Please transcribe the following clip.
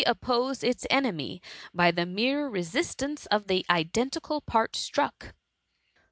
oppose its enemy by the mere resistance of the identical part struck.